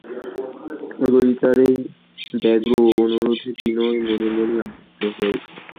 ললিতার এই ব্যগ্র অনুরোধে বিনয় মনে মনে আনন্দিত হইয়া উঠিল।